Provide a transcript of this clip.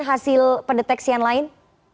hasil pendeteksian lain